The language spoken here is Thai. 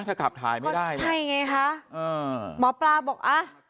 ถ้าขับถ่ายไม่ได้นะใช่ไงคะอ่าหมอปลาบอกอ่ะ